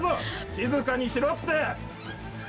静かにしろって！！